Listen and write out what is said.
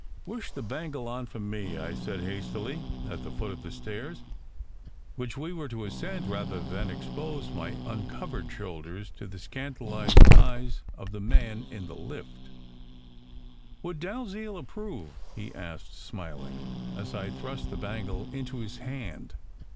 "Wish the bangle on for me," I said hastily, at the foot of the stairs, which we were to ascend rather than expose my uncovered shoulders to the scandalized eyes of the man in the lift. "Would Dalziel approve? " he asked, smiling, as I thrust the bangle into his hand.